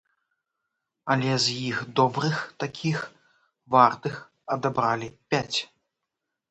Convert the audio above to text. Але з іх добрых такіх, вартых адабралі пяць.